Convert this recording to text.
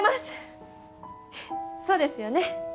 そうですよね。